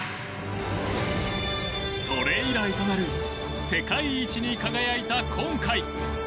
それ以来となる世界一に輝いた今回。